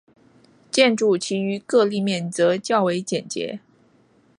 建筑其余各立面则较为简洁。